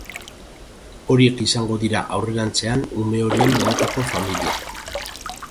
Horiek izango dira aurrerantzean ume horien benetako familia.